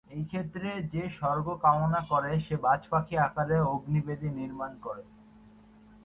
এই ক্ষেত্রে," যে স্বর্গ কামনা করে সে বাজপাখি আকারে অগ্নি-বেদী নির্মাণ করে।"